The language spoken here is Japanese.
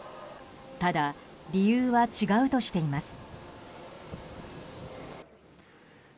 ただ、理由は違うとしています。